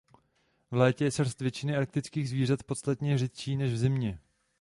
V létě je srst většiny arktických zvířat podstatně řidší než v zimě.